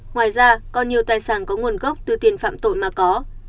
ngoài ra còn nhiều tài sản có nguồn gốc từ tiền phạm tội mà có